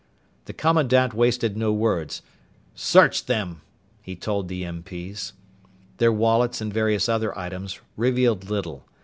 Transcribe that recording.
The commandant wasted no words. "Search them," he told the MP's. Their wallets and various other items revealed little.